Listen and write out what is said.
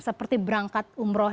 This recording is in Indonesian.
seperti berangkat umroh